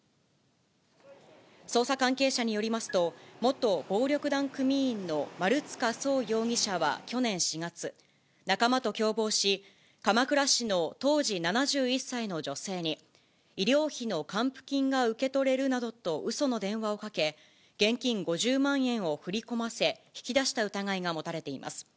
捜査関係者によりますと、元暴力団組員の丸塚創容疑者は去年４月、仲間と共謀し、鎌倉市の当時７１歳の女性に、医療費の還付金が受け取れるなどとうその電話をかけ、現金５０万円を振り込ませ、引き出した疑いが持たれています。